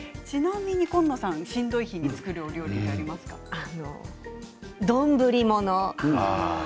ちなみに紺野さんしんどい日に作るお料理ってありますか。